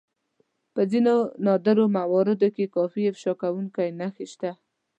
په ځينو نادرو مواردو کې کافي افشا کوونکې نښې شته.